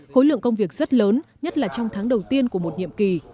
khối lượng công việc rất lớn nhất là trong tháng đầu tiên của một nhiệm kỳ